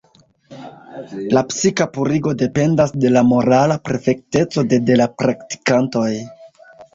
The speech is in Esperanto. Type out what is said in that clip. La psika purigo dependas de la morala perfekteco de de la praktikantoj.